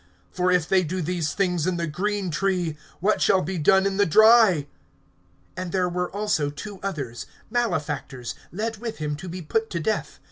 (31)For if they do these things in the green tree, what shall be done in the dry? (32)And there were also two others, malefactors, led with him to be put to death.